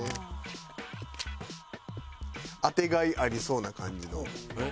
当てがいありそうな感じの。